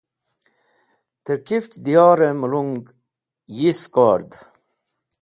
Tẽr kifch diyorẽ mẽlung yi sẽkord.